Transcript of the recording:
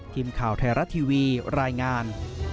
ทีมข่าวไทยรัฐทีวีรายงาน